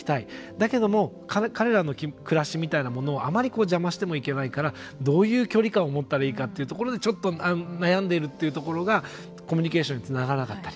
だけども彼らの暮らしみたいなものをあまり邪魔してもいけないからどういう距離感を持ったらいいかというところでちょっと悩んでいるというところがコミュニケーションにつながらなかったり。